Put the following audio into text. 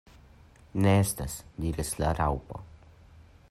"Ne estas," diris la Raŭpo.